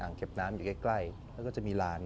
เก็บน้ำอยู่ใกล้แล้วก็จะมีลาน